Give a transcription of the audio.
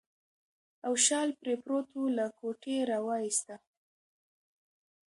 او شال پرې پروت و، له کوټې راوایسته.